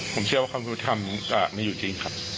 ผมเชื่อว่าคำคือทำจะไม่อยู่จริงครับ